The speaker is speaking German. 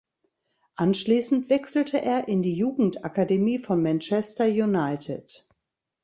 Anschließend wechselte er in die Jugendakademie von Manchester United.